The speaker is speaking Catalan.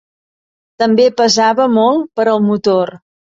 També pesava molt per al motor.